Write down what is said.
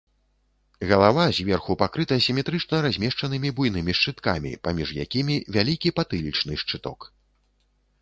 Галава зверху пакрыта сіметрычна размешчанымі буйнымі шчыткамі, паміж якімі вялікі патылічны шчыток.